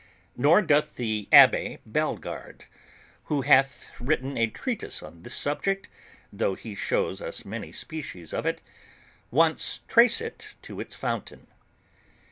Nor doth the Abbe Bellegarde, who hath written a treatise on this subject, though he shows us many species of it, once trace it to its fountain.